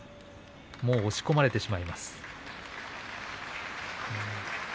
もう押し込まれてしまいます。